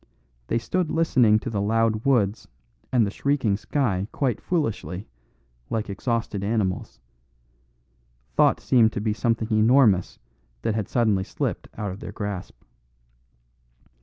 They stood listening to the loud woods and the shrieking sky quite foolishly, like exhausted animals. Thought seemed to be something enormous that had suddenly slipped out of their grasp.